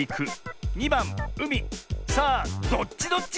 さあどっちどっち？